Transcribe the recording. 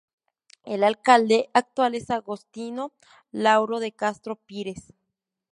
El alcalde actual es Agostinho Lauro de Castro Pires.